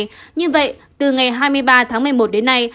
như vậy từ ngày hai mươi ba tháng một mươi một đến nay